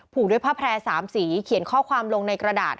ด้วยผ้าแพร่๓สีเขียนข้อความลงในกระดาษ